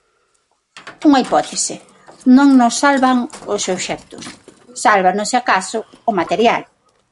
Unha hipótese: non nos salvan os obxectos; sálvanos, se acaso, o material.